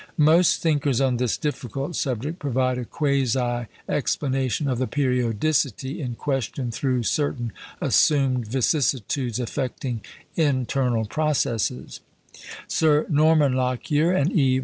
Most thinkers on this difficult subject provide a quasi explanation of the periodicity in question through certain assumed vicissitudes affecting internal processes; Sir Norman Lockyer and E.